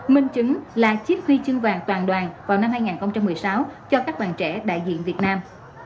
minh chứng là chiếc huy chương vàng toàn đoàn vào năm hai nghìn một mươi sáu cho các bạn trẻ đại diện việt nam